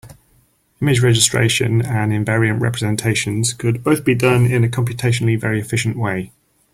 Image registration and invariant representations could both be done in a computationally very efficient way.